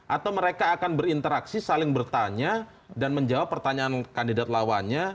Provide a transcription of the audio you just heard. atau mereka akan berinteraksi saling bertanya dan menjawab pertanyaan kandidat lawannya